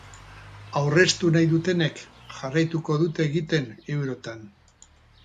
Aurreztu nahi dutenek, jarraituko dute egiten eurotan.